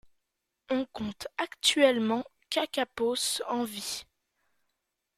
On compte actuellement kakapos en vie.